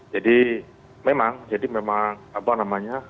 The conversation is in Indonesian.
jadi memang jadi memang apa namanya